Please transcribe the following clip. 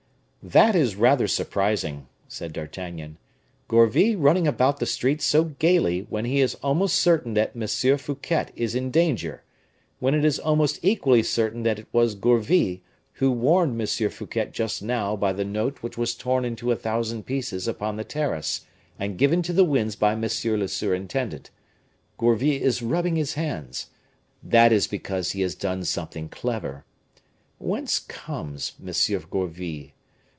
"That is rather surprising," said D'Artagnan; "Gourville running about the streets so gayly, when he is almost certain that M. Fouquet is in danger; when it is almost equally certain that it was Gourville who warned M. Fouquet just now by the note which was torn into a thousand pieces upon the terrace, and given to the winds by monsieur le surintendant. Gourville is rubbing his hands; that is because he has done something clever. Whence comes M. Gourville?